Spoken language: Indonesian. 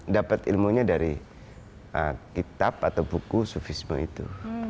dapat ilmunya dari kitab atau buku sufisme itu